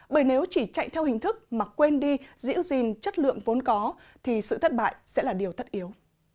bởi nếu chỉ chạy theo hình thức mà quên đi dĩa dìn chất lượng vốn có thì sự thất bại sẽ là điều thất yếu